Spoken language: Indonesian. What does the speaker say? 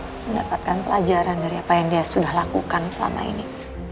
untuk mendapatkan pelajaran dari apa yang dia sudah lakukan selama ini